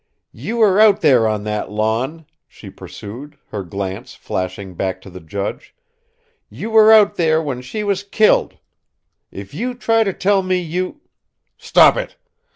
"You were out there on that lawn!" she pursued, her glance flashing back to the judge. "You were out there when she was killed! If you try to tell me you " "Stop it!